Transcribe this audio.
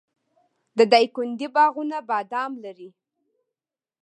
د دایکنډي باغونه بادام لري.